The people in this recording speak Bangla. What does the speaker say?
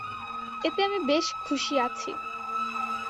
এতে আমি বেশ খুশী আছি।